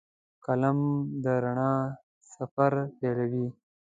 قلم د رڼا سفر پیلوي